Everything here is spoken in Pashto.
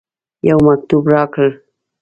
یو مکتوب راکړ.